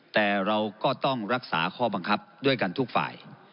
แต่เราก็ต้องรักษาข้อบังคับด้วยกันทุกฝ่าย